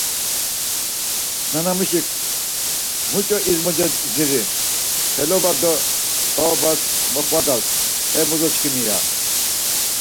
Nanamuşik, Muç̌o izmoce dziri, xeloba do ǩaobas moxvadas e bozo-çkimi ya.